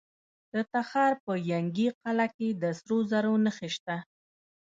د تخار په ینګي قلعه کې د سرو زرو نښې شته.